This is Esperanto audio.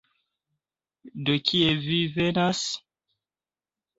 De kie vi venas?